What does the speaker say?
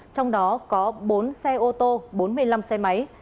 trong đó có bốn xe ô tô bốn mươi năm xe máy